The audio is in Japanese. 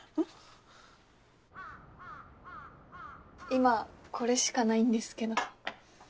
今これしかないんですけど。